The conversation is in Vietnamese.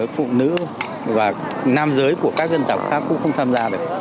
phụ nữ và nam giới của các dân tộc khác cũng không tham gia được